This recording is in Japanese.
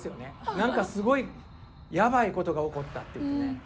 何かすごいやばいことが起こったっていってね。